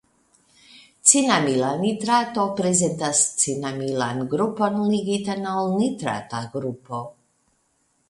Cinamila nitrato prezentas cinamilan grupon ligitan al nitrata grupo.